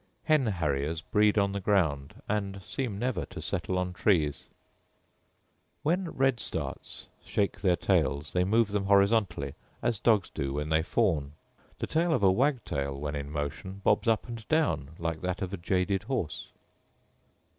Hen harriers breed on the ground, and seem never to settle on trees. When red starts shake their tails they move them horizontally, as dogs do when they fawn: the tail of a wagtail, when in motion, bobs up and down like that of a jaded horse.